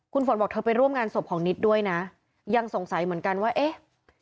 คุณฝนบอกเธอไปร่วมงานศพของนิดด้วยนะยังสงสัยเหมือนกันว่าเอ๊ะ